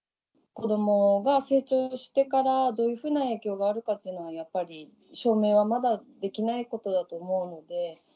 子どもが成長してから、どういうふうな影響があるかというのはやっぱり、証明はまだできないことだと思うので。